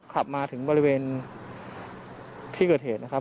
ขับมาถึงบริเวณที่เกิดเหตุนะครับ